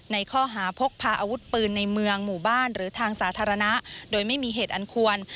ในข้อหาพกพาอาวุธปืนในเมืองหมู่บ้านหรือทางสาธารณะโดยไม่มีเหตุอันควร